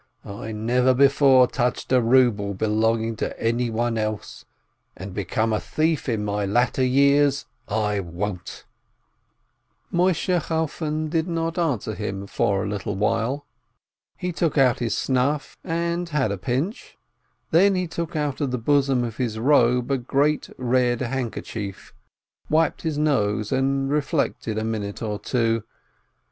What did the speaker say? I never before touched a ruble belonging to anyone else, and become a thief in my latter years I won't !" Moisheh Chalfon did not answer him for a little while. He took out his snuff, and had a pinch, then he took out of the bosom of his robe a great red handker chief, wiped his nose, and reflected a minute or two.